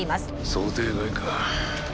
想定外か。